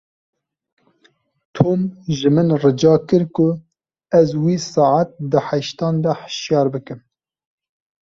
Tom ji min rica kir ku ez wî saet di heştan de hişyar bikim.